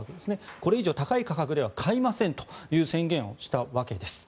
これ以上高い価格では買いませんという宣言をしたわけです。